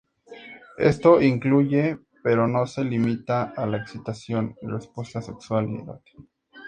Esto incluye, pero no se limita a la excitación y respuesta sexual y erótica.